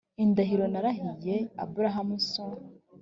indahiro narahiye aburahamu so